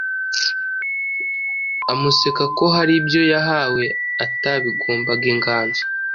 amuseka ko hari ibyo yahawe atabigombaga Inganzo: